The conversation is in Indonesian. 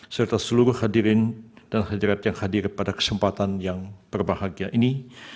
serta seluruh hadirin dan hajarat yang hadir pada kesempatan yang berbahagia ini